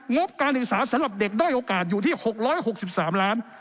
งบการศึกษาสำหรับเด็กด้อยโอกาสอยู่ที่๖๖๓ล้าน